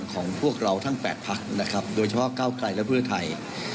ของพวกเราทั้ง๘พักนะครับโดยเฉพาะก้าวไกลและเพื่อไทย